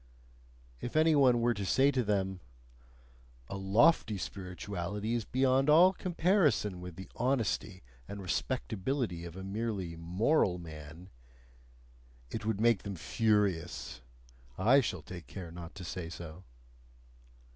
If any one were to say to them "A lofty spirituality is beyond all comparison with the honesty and respectability of a merely moral man" it would make them furious, I shall take care not to say so.